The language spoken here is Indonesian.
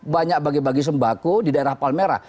banyak bagi bagi sembako di daerah palmerah